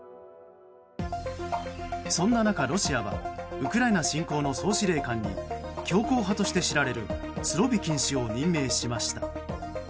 そんな中、ロシアはウクライナ侵攻の総司令官に強硬派として知られるスロビキン氏を任命しました。